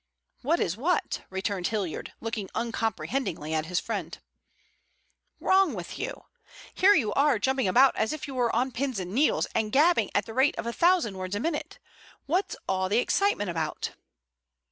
"What is what?" returned Hilliard, looking uncomprehendingly at his friend. "Wrong with you. Here you are, jumping about as if you were on pins and needles and gabbling at the rate of a thousand words a minute. What's all the excitement about?"